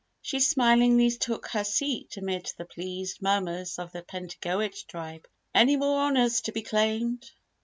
She smilingly took her seat amid the pleased murmurs of the Pentagoet Tribe. "Any more Honours to be claimed?"